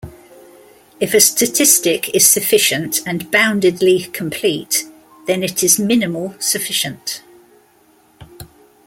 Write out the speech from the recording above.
If a statistic is sufficient and boundedly complete, then it is minimal sufficient.